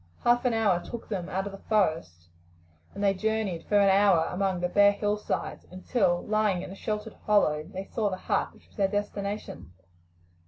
Half an hour took them out of the forest, and they journeyed for an hour along the bare hillsides, until, lying in a sheltered hollow, they saw the hut which was their destination.